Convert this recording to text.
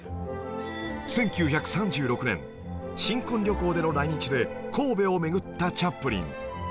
１９３６年新婚旅行での来日で神戸を巡ったチャップリン